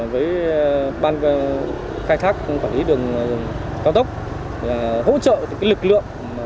với ban khai thác quản lý đường cao tốc hỗ trợ lực lượng